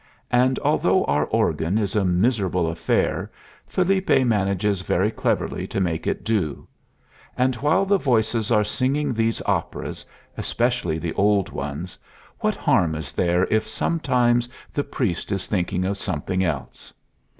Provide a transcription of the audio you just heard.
And although our organ is a miserable affair, Felipe manages very cleverly to make it do. And while the voices are singing these operas, especially the old ones, what harm is there if sometimes the priest is thinking of something else?